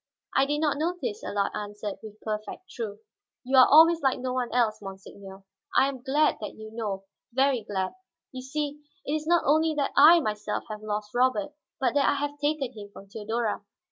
"I did not notice," Allard answered, with perfect truth. "You are always like no one else, monseigneur. I am glad that you know, very glad. You see, it is not only that I myself have lost Robert, but that I have taken him from Theodora.